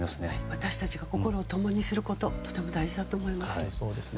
私たちが心を共にすることがとても大事だと思います。